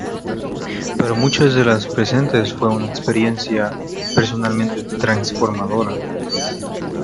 Para muchas de las presentes fue una experiencia personalmente transformadora.